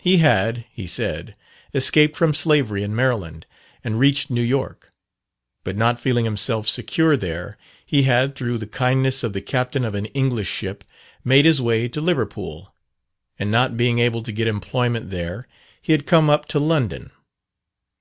He had, he said, escaped from slavery in Maryland, and reached New York; but not feeling himself secure there, he had, through the kindness of the captain of an English ship, made his way to Liverpool; and not being able to get employment there, he had come up to London.